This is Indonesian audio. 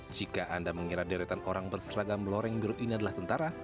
jika anda mengira deretan orang berseragam loreng biru ini adalah tentara